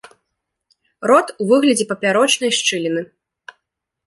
Рот у выглядзе папярочнай шчыліны.